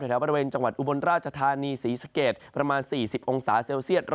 แถวบริเวณจังหวัดอุบลราชธานีศรีสะเกดประมาณ๔๐องศาเซลเซียต